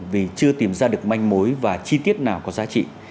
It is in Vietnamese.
vì chưa tìm ra được manh mối và chi tiết nào có giá trị